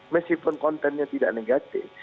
meskipun kontennya tidak negatif